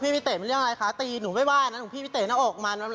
มันเหมาะด้วยมันไม่สำควร